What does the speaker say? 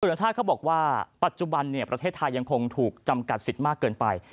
ชาติเขาบอกว่าปัจจุบันประเทศไทยยังคงถูกจำกัดสิทธิ์มากเกินไป